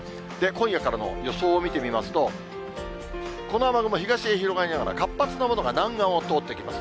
今夜からの予想を見てみますと、この雨雲、東へ広がりながら、活発なものが南岸を通っていきます。